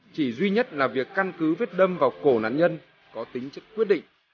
chỉ duy nhất là việc căn cứ vết đâm vào cổ nạn nhân có tính chất quyết định